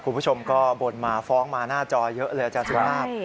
คุณผู้ชมก็บ่นมาฟ้องมาหน้าจอเยอะเลยอาจารย์สุภาพ